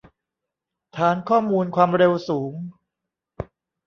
ฐานข้อมูลความเร็วสูง